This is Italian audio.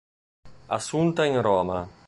Assunta in Roma.